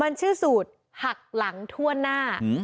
มันชื่อสูตรหักหลังทั่วหน้า